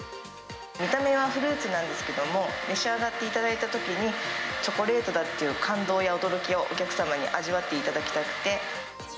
見た目はフルーツなんですけども、召し上がっていただいたときに、チョコレートだっていう感動や驚きをお客様に味わっていただきたくて。